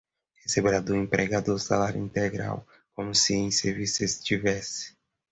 receberá do empregador salário integral, como se em serviço estivesse